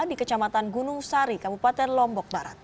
di kecamatan gunung sari kabupaten lombok barat